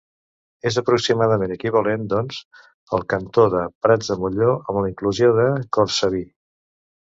És aproximadament equivalent, doncs, al cantó de Prats de Molló, amb la inclusió de Cortsaví.